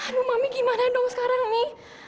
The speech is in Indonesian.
aduh mami gimana dong sekarang nih